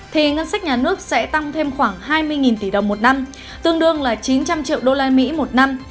thì ngân sách nhà nước sẽ tăng thêm khoảng hai mươi tỷ đồng một năm tương đương là chín trăm linh triệu usd một năm